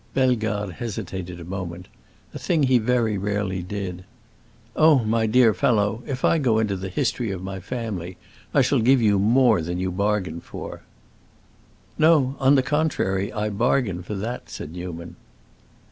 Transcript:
Bellegarde hesitated a moment—a thing he very rarely did. "Oh, my dear fellow, if I go into the history of my family I shall give you more than you bargain for." "No, on the contrary, I bargain for that," said Newman.